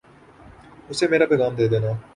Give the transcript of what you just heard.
اسے میرا پیغام دے دینا